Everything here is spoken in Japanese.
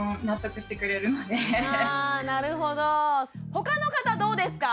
他の方どうですか？